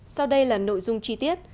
sau đây là nội dung chi tiết